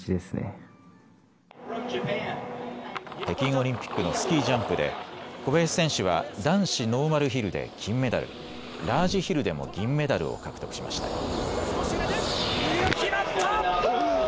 北京オリンピックのスキージャンプで小林選手は男子ノーマルヒルで金メダル、ラージヒルでも銀メダルを獲得しました。